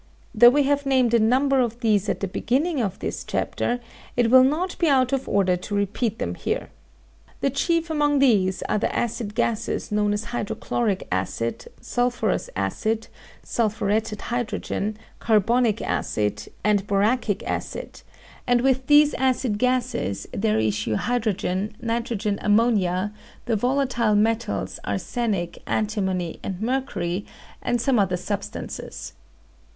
Though we have named a number of these at the beginning of this chapter, it will not be out of order to repeat them here. The chief among these are the acid gases known as hydrochloric acid, sulphurous acid, sulphuretted hydrogen, carbonic acid, and boracic acid; and with these acid gases there issue hydrogen, nitrogen ammonia, the volatile metals arsenic, antimony, and mercury, and some other substances.